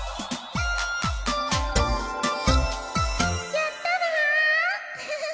やったわ！